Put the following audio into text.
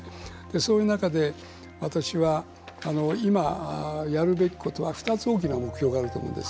そういう中で私は、今やるべきことは２つ大きな目標があると思うんです。